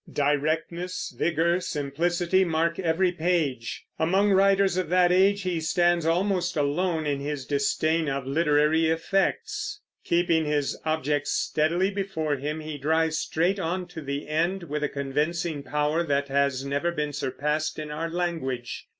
Directness, vigor, simplicity, mark every page. Among writers of that age he stands almost alone in his disdain of literary effects. Keeping his object steadily before him, he drives straight on to the end, with a convincing power that has never been surpassed in our language.